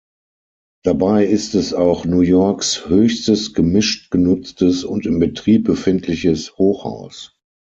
Dabei ist es auch New Yorks höchstes gemischt genutztes und im Betrieb befindliches Hochhaus.